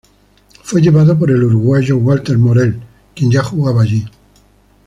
Fue llevado por el uruguayo Walter Morel, quien ya jugaba allí.